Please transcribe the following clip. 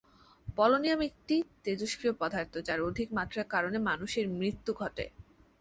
Polonium একটি তেজস্ত্রিয় পদার্থ, যার অধিক মাত্রার কারণে মানুষের মৃত্যু ঘটে।